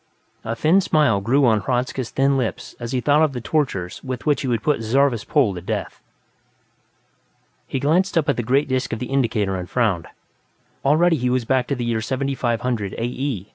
A slow smile grew on Hradzka's thin lips as he thought of the tortures with which he would put Zarvas Pol to death. He glanced up at the great disc of the indicator and frowned. Already he was back to the year 7500, A.E.